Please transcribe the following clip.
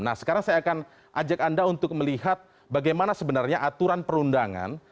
nah sekarang saya akan ajak anda untuk melihat bagaimana sebenarnya aturan perundangan